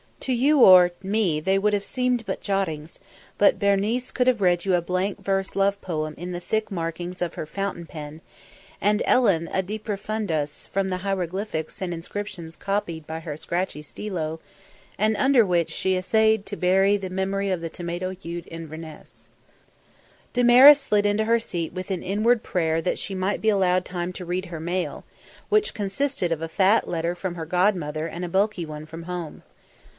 To you or me they would have seemed but jottings, but Berenice could have read you a blank verse love poem in the thick markings of her fountain pen; and Ellen a De Profundis from the hieroglyphics and inscriptions copied by her scratchy stylo and under which she essayed to bury the memory of the tomato hued Inverness. Damaris slid into her seat with an inward prayer that she might be allowed time to read her mail, which consisted of a fat letter from her godmother and a bulky one from home.